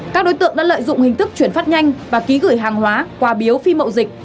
các đối tượng đã lợi dụng hình thức chuyển phát nhanh và ký gửi hàng hóa quà biếu phi mậu dịch